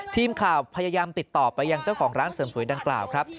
ทีมข่าวพยายามติดต่อไปยังเจ้าของร้านเสริมสวยดังกล่าวครับ